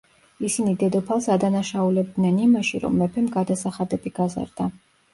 ისინი დედოფალს ადანაშაულებდნენ იმაში, რომ მეფემ გადასახადები გაზარდა.